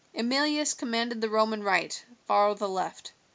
Emilius commanded the Roman right, Varro the left.